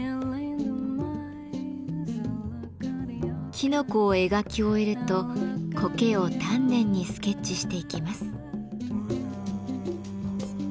きのこを描き終えるとコケを丹念にスケッチしていきます。